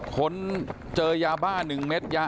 คนเจอยาบ้าหนึ่งเม็ดยาอ่อน